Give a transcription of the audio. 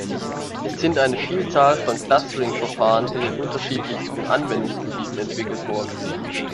Es sind eine Vielzahl von Clustering-Verfahren in den unterschiedlichsten Anwendungsgebieten entwickelt worden.